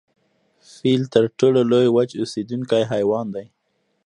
فیل تر ټولو لوی وچ اوسیدونکی حیوان دی